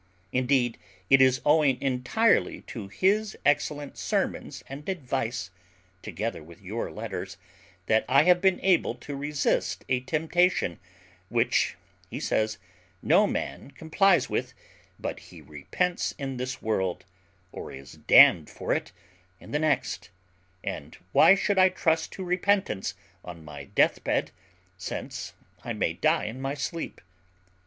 Indeed, it is owing entirely to his excellent sermons and advice, together with your letters, that I have been able to resist a temptation, which, he says, no man complies with, but he repents in this world, or is damned for it in the next; and why should I trust to repentance on my deathbed, since I may die in my sleep?